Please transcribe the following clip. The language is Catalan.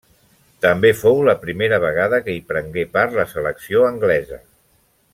També fou la primera vegada que hi prengué part la selecció anglesa.